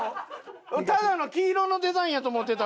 ただの黄色のデザインやと思ってた。